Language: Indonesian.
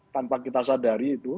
tanpa kita sadari itu